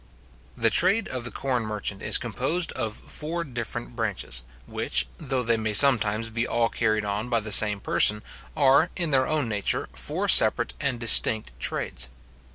The trade of the corn merchant is composed of four different branches, which, though they may sometimes be all carried on by the same person, are, in their own nature, four separate and distinct trades.